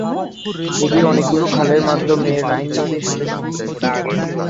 এটি অনেকগুলি খালের মাধ্যমে রাইন নদীর সাথে সংযুক্ত।